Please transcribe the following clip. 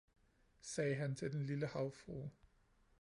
sagde han til den lille havfrue.